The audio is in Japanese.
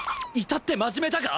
至って真面目だが！？